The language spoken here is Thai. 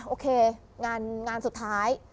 โอเคงานสุดท้าย